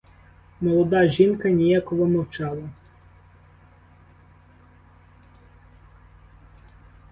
Молода жінка ніяково мовчала.